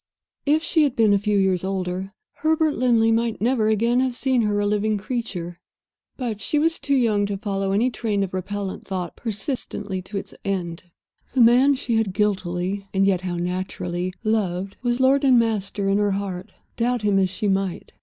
If she had been a few years older, Herbert Linley might never again have seen her a living creature. But she was too young to follow any train of repellent thought persistently to its end. The man she had guiltily (and yet how naturally) loved was lord and master in her heart, doubt him as she might.